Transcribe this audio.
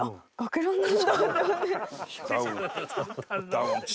ダウン。